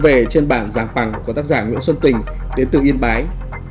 xuân về trên bàn giảng bằng của tác giả nguyễn xuân tình đến từ yên bái